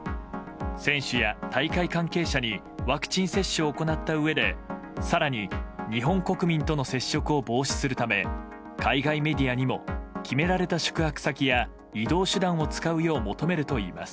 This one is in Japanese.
選手や大会関係者にワクチン接種を行ったうえで更に、日本国民との接触を防止するため海外メディアにも決められた宿泊先や移動手段を使うよう求めるといいます。